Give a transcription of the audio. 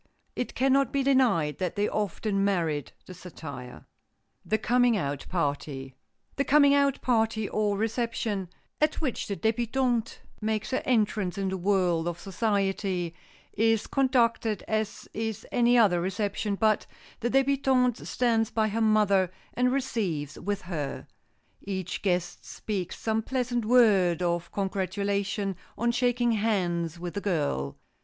It can not be denied that they often merit the satire. [Sidenote: THE COMING OUT PARTY] The "coming out" party or reception, at which the débutante makes her entrance in the world of society, is conducted as is any other reception, but the débutante stands by her mother and receives with her. Each guest speaks some pleasant word of congratulation on shaking hands with the girl.